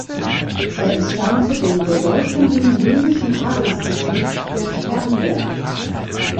Er entstammte dem bedeutenden böhmischen Adelsgeschlecht der Sternberg.